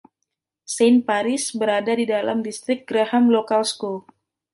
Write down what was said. Saint Paris berada di dalam Distrik Graham Local School.